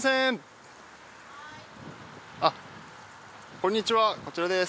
こんにちはこちらです。